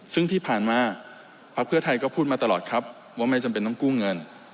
ซึ่งที่ผ่านมาพักเพื่อไทยก็พูดมาตลอดครับว่าไม่จำเป็นต้องกู้เงิน